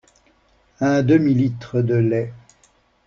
un demi litre de lait